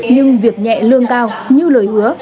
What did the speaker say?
nhưng việc nhẹ lương cao như lời hứa